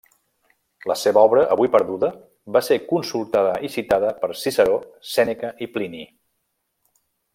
La seva obra, avui perduda, va ser consultada i citada per Ciceró, Sèneca i Plini.